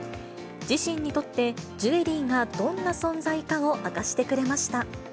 自身にとって、ジュエリーがどんな存在かを明かしてくれました。